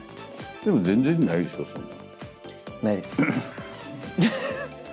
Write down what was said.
でも全然ないでしょ、そんなないです。